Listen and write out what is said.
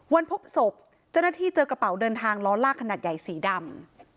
พบศพเจ้าหน้าที่เจอกระเป๋าเดินทางล้อลากขนาดใหญ่สีดำ